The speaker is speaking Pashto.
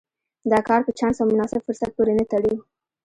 دا کار په چانس او مناسب فرصت پورې نه تړي.